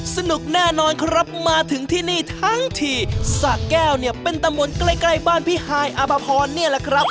สนุกแน่นอนครับมาถึงที่นี่ทั้งทีสะแก้วเนี่ยเป็นตำบลใกล้ใกล้บ้านพี่ฮายอภพรนี่แหละครับ